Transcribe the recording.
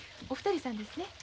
お二人さんですね。